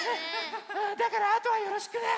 だからあとはよろしくね。